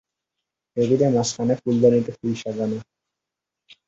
টেবিলের মাঝখানে ফুলদানিতে ফুল সাজানো।